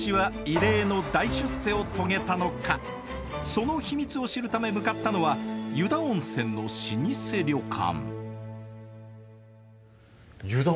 その秘密を知るため向かったのは湯田温泉の老舗旅館。